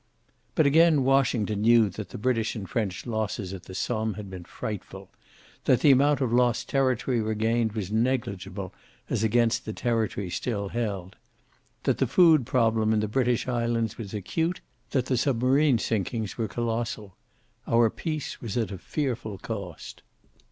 But again Washington knew that the British and French losses at the Somme had been frightful; that the amount of lost territory regained was negligible as against the territory still held; that the food problem in the British Islands was acute; that the submarine sinkings were colossal. Our peace was at a fearful cost.